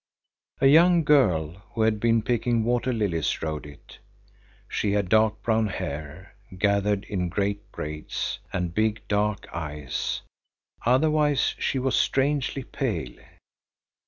A young girl, who had been picking water lilies, rowed it. She had dark brown hair, gathered in great braids, and big dark eyes; otherwise she was strangely pale.